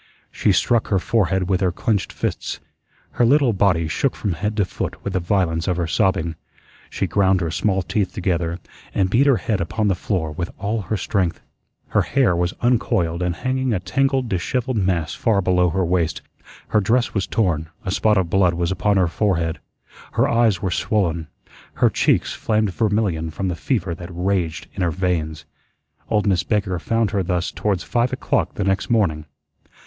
She struck her forehead with her clenched fists. Her little body shook from head to foot with the violence of her sobbing. She ground her small teeth together and beat her head upon the floor with all her strength. Her hair was uncoiled and hanging a tangled, dishevelled mass far below her waist; her dress was torn; a spot of blood was upon her forehead; her eyes were swollen; her cheeks flamed vermilion from the fever that raged in her veins. Old Miss Baker found her thus towards five o'clock the next morning.